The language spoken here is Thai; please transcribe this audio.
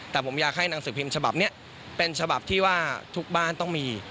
แต่ผมอยากให้หนังสือพิมพ์ฉบับนี้เป็นฉบับที่ว่าทุกบ้านต้องมี